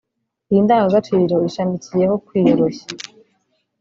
Iyi ndangagaciro ishamikiyeho kwiyoroshya